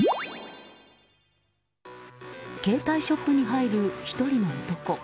携帯ショップに入る１人の男。